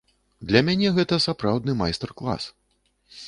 Для мяне гэта сапраўдны майстар-клас.